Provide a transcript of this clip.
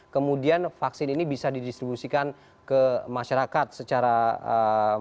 kemudian vaksin ini bisa didistribusikan ke masyarakat secara luas